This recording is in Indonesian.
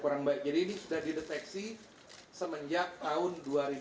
jadi ini sudah dideteksi semenjak tahun dua ribu enam belas